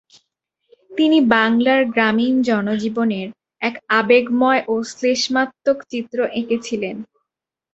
তিনি বাংলার গ্রামীণ জনজীবনের এক আবেগময় ও শ্লেষাত্মক চিত্র এঁকেছিলেন।